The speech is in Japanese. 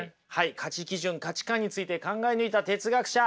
価値基準価値観について考え抜いた哲学者